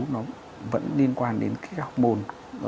nó vẫn liên quan đến cái học môn